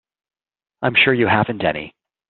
I'm sure you haven't any.